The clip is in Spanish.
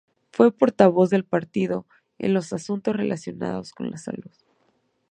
Fue portavoz del partido en los asuntos relacionados con la salud.